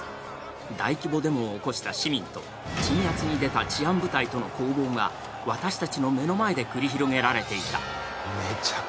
大規模デモを起こした市民と鎮圧に出た治安部隊との攻防が私たちの目の前で繰り広げられていた。